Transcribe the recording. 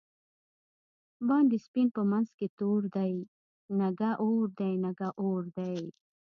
باندی سپین په منځ کی تور دۍ، نگه اور دی نگه اور دی